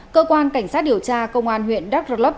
cơ quan cảnh sát điều tra công an huyện đắk rơ lấp